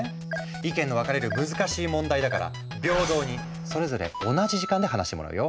意見の分かれる難しい問題だから平等にそれぞれ同じ時間で話してもらうよ。